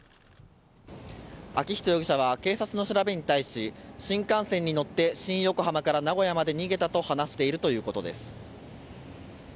昭仁容疑者は警察の調べに対し新幹線に乗って新横浜から名古屋まで逃げたと話しているということです。